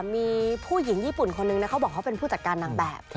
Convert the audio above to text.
มีผู้หญิงญี่ปุ่นคนนึงเขาบอกเขาเป็นผู้จัดการนางแบบ